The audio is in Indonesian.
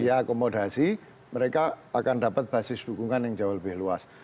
akomodasi mereka akan dapat basis dukungan yang jauh lebih luas